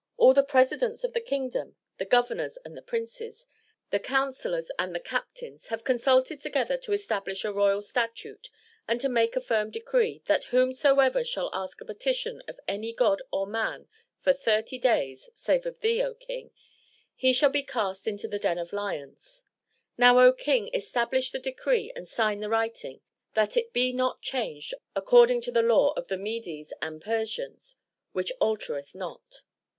All the presidents of the king dom, the governors and the princes, the counsellors and the 408 THE TREASURE CHEST captains, have consulted together to establish a royal statute and to make a firm decree, that whosoever shall ask a petition of any God or man for thirty days, save of thee, O King, he shall be cast into the den of lions. Now, O King, establish the decree, and sign the writing, that it be not changed, according to the law of the Medes and Persians, which altereth not."